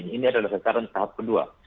ini adalah sasaran tahap kedua